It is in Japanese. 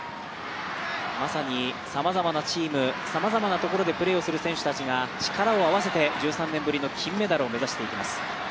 まさにさまざまなチームさまざまなところでプレーする選手が力を合わせて１３年ぶりの金メダルを目指していきます。